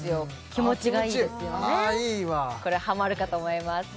気持ちいいいいわこれはハマるかと思います